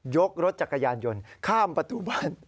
รถจักรยานยนต์ข้ามประตูบ้าน